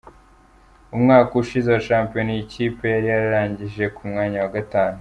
Umwaka ushize wa shampiyona iyi kipe yari yarangije ku mwanya wa gatanu.